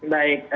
baik mbak eva